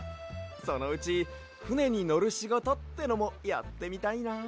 そのうちふねにのるしごとってのもやってみたいな。